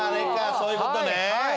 そういうことね。